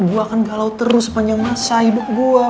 gue akan galau terus sepanjang masa hidup gue